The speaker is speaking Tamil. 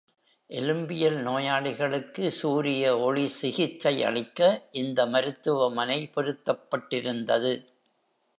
எலும்பியல் நோயாளிகளுக்கு சூரிய ஒளி சிகிச்சை அளிக்க இந்த மருத்துவமனை பொருத்தப்பட்டிருந்தது.